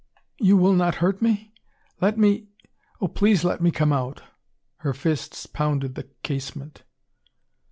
"You will not hurt me? Let me oh please let me come out!" Her fists pounded the casement.